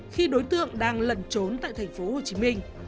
khi đối tượng đang lẩn trốn tại thành phố hồ chí minh